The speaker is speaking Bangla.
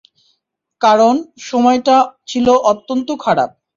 কারণ, সময়টা ছিল অত্যন্ত খারাপ।